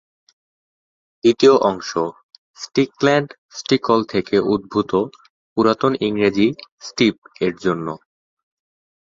দ্বিতীয় অংশ "স্টিকল্যান্ড" "স্টিকল" থেকে উদ্ভূত, পুরাতন ইংরেজি "স্টীপ" এর জন্য।